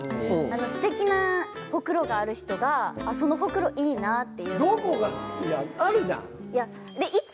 すてきなホクロがある人がそのホクロいいなって。